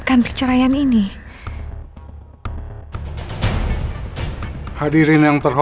tapi aku yakin kau pasti datang